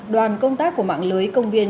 đoàn công tác của mạng lưới công viên